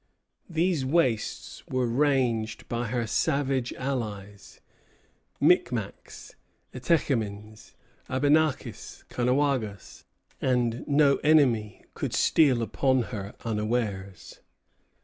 These wastes were ranged by her savage allies, Micmacs, Etechémins, Abenakis, Caughnawagas; and no enemy could steal upon her unawares.